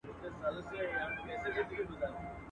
چي خوب کوي، د هغو د مېږو نرگټي زېږي.